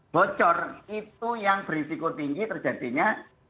bocor itu yang berisiko tinggi terjadinya